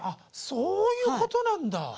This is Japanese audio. そういうことなんだ。